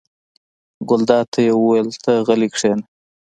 ګلداد ته یې وویل: ته غلی کېنه.